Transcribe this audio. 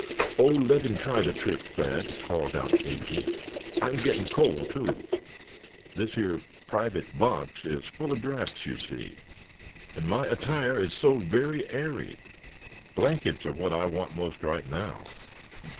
"Oh! let him try the trick, Thad," called out Davy; "I'm getting cold, too. This here private box is full of draughts you see; and my attire is so very airy. Blankets are what I want most right now.